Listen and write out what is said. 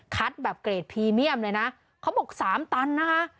แบบเกรดพรีเมียมเลยนะเขาบอก๓ตันนะคะ